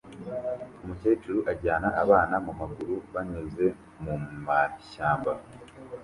Umukecuru ajyana abana mumaguru banyuze mumashyamba